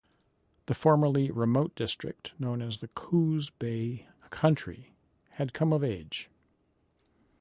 The formerly remote district known as the Coos Bay country had come of age.